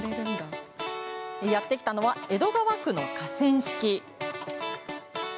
やって来たのは江戸川区の河川敷。